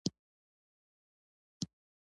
هغه به په ښه معاش د شیطان چوپړ هم وکړي.